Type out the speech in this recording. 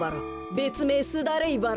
べつめいスダレイバラ。